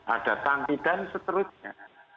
ada tangki dan seterusnya